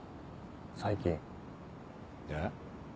最近。えっ？